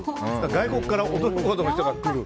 外国から驚くほどの人が来る。